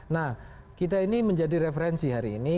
nah kita ini menjadi referensi hari ini